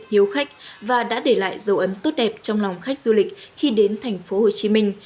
hiếu khách và đã để lại dấu ấn tốt đẹp trong lòng khách du lịch khi đến thành phố hồ chí minh